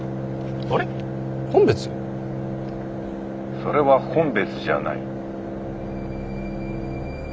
それは本別じゃない。